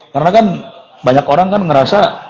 karena kan banyak orang kan ngerasa